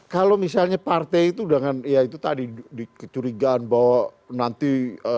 kalau misalnya partai itu dengan ya itu tadi kecurigaan bahwa nanti ini oligark